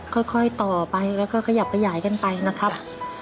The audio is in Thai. ค่อยต่อไปแล้วก็ขยับขยายกันไปนะครับ